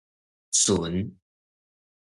巡